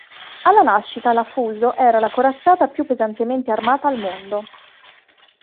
Alla nascita, la "Fuso" era la corazzata più pesantemente armata al mondo.